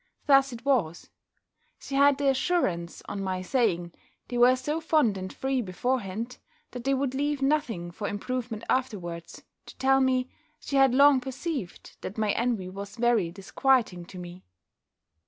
Thus it was: She had the assurance, on my saying, they were so fond and free before hand, that they would leave nothing for improvement afterwards, to tell me, she had long perceived, that my envy was very disquieting to me.